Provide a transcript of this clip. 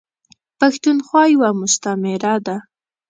پښتونخوا یوه مستعمیره ده .